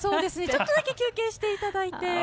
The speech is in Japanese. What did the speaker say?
ちょっとだけ休憩していただいて。